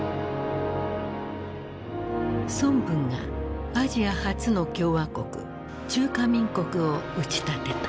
孫文がアジア初の共和国中華民国を打ち立てた。